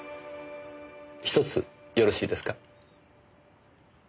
ひとつよろしいですか？